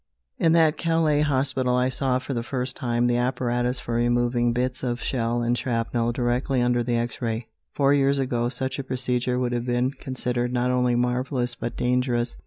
In that Calais hospital I saw for the first time the apparatus for removing bits of shell and shrapnel directly under the X ray. Four years ago such a procedure would have been considered not only marvelous but dangerous.